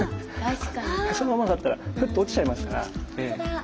そのままだったらふっと落ちちゃいますから。